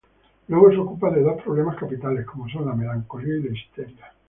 Luego se ocupa de dos problemas capitales como son la melancolía y la histeria.